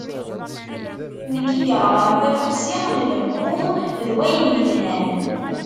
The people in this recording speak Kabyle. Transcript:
Nekk i yeɣran tafusi n lehhu d wayen yelhan.